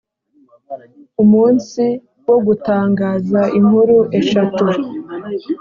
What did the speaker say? Umunsi wo gutangaza inkuru eshatu